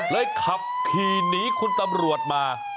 ขับขี่หนีคุณตำรวจมา